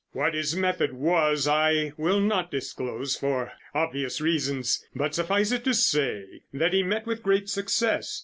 What his method was, I will not disclose for obvious reasons, but suffice it to say that he met with great success.